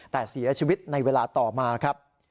แต่เสียชีวิตในเวลาต่อมาครับ